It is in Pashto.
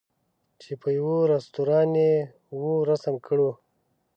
چې په یوه رستوران یې وو رسم کړو.